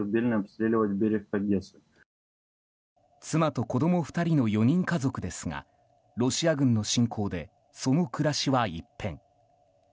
妻と子供２人の４人家族ですがロシア軍の侵攻でその暮らしは一変。